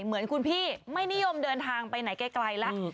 เหมือนคุณพี่ไม่นิยมเดินทางไปไหนไกลแล้ว